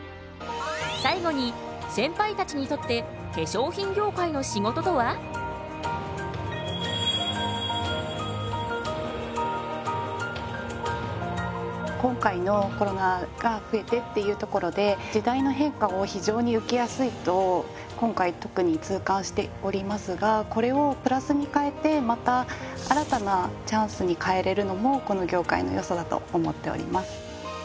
最後にセンパイたちにとって今回のコロナが増えてっていうところで時代の変化を非常に受けやすいと今回特に痛感しておりますがこれをプラスに変えてまた新たなチャンスに変えれるのもこの業界のよさだと思っております。